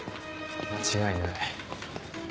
間違いない。